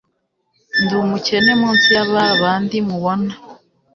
ndi umukene munsi yababandi mubona